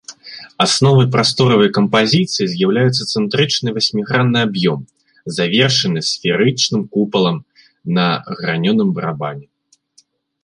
Асновай прасторавай кампазіцыі з'яўляецца цэнтрычны васьмігранны аб'ём, завершаны сферычным купалам на гранёным барабане.